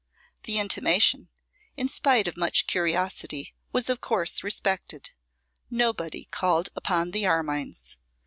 The intimation, in spite of much curiosity, was of course respected. Nobody called upon the Armines.